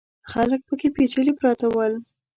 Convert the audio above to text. خلک پکې پېچلي پراته ول.